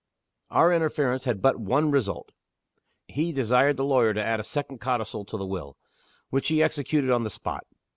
Our interference had but one result. He desired the lawyer to add a second codicil to the Will which he executed on the spot.